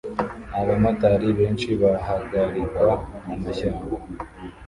Abamotari benshi bahagarikwa mumashyamba